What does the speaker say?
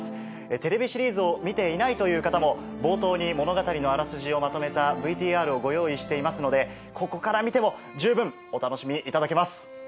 テレビシリーズを見ていないという方も冒頭に物語のあらすじをまとめたＶＴＲをご用意していますのでここから見ても十分お楽しみいただけます。